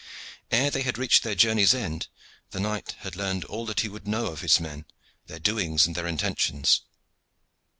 Ere they had reached their journey's end the knight had learned all that he would know of his men, their doings and their intentions.